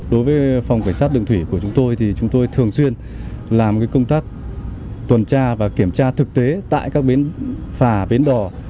đối với phòng cảnh sát đường thủy của chúng tôi thì chúng tôi thường xuyên làm công tác tuần tra và kiểm tra thực tế tại các bến phà bến đỏ